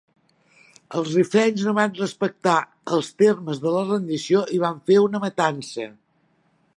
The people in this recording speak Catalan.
Els rifenys no van respectar els termes de la rendició i van fer una matança.